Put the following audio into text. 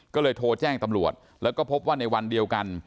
ก็เลยโทรแจ้งตำรวจแล้วก็พบว่าในวันเดียวกัน